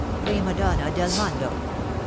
Prima Donna del Mondo !